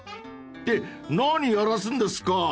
［って何やらすんですか！］